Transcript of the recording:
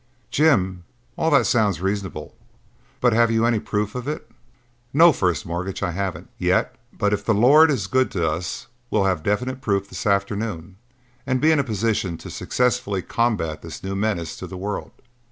"Jim, all that sounds reasonable, but have you any proof of it?" "No, First Mortgage, I haven't yet; but if the Lord is good to us we'll have definite proof this afternoon and be in a position to successfully combat this new menace to the world."